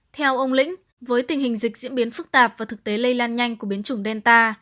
theo ông lĩnh với tình hình dịch diễn biến phức tạp và thực tế lây lan nhanh của biến chủng delta